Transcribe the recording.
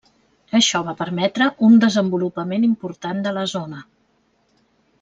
Això va permetre un desenvolupament important de la zona.